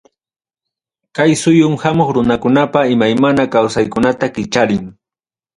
Kay suyum hamuq runakunapa imaymana kawsaykunata kicharin.